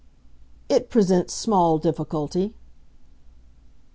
"It presents small difficulty!"